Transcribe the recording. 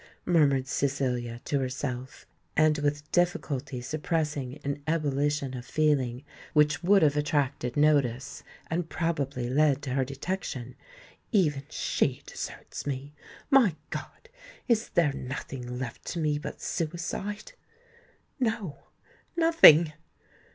murmured Cecilia to herself, and with difficulty suppressing an ebullition of feeling which would have attracted notice, and probably led to her detection: "even she deserts me! My God—is there nothing left to me but suicide? No—nothing!"